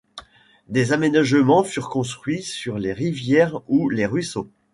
Des aménagements furent construits sur les rivières ou les ruisseaux.